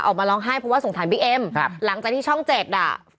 ออกมาร้องไห้เพราะว่าสงสารบิ๊กเอ็มครับหลังจากที่ช่องเจ็ดอ่ะ